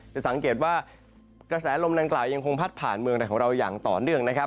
จะสังเกตว่ากระแสลมดังกล่าวยังคงพัดผ่านเมืองไทยของเราอย่างต่อเนื่องนะครับ